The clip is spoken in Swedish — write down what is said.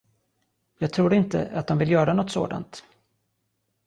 Jag tror inte, att de vill göra något sådant.